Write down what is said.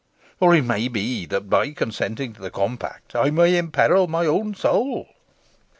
Or it be that, by consenting to the compact, I may imperil my own soul."